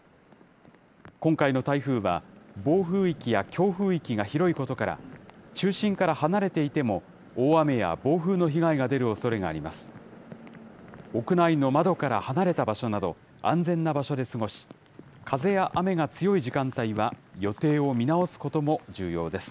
今回の台風は、暴風域や強風域が広いことから、中心から離れていても、大雨や暴風の被害が出るおそれがあります。